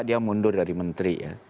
dia mundur dari menteri